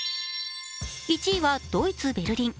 １位はドイツ・ベルリン。